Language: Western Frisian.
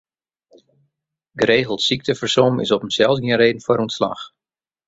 Geregeld syktefersom is op himsels gjin reden foar ûntslach.